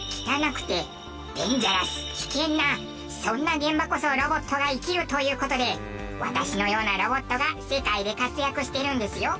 そんな現場こそロボットが生きるという事で私のようなロボットが世界で活躍してるんですよ！